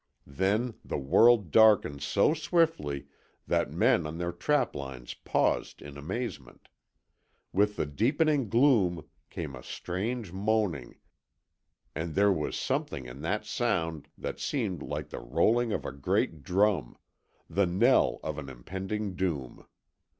Then the world darkened so swiftly that men on their traplines paused in amazement. With the deepening gloom came a strange moaning, and there was something in that sound that seemed like the rolling of a great drum the knell of an impending doom.